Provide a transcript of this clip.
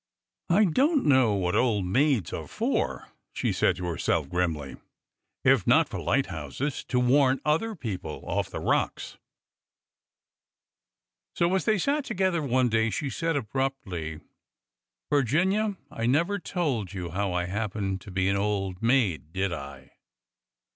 I don't know what old maids are for," she said to herself grimly, if not for lighthouses to warn other people off the rocks !" So as they sat together one day she said abruptly :'' Vir ginia, I never told you how I happened to be an old maid, did I?"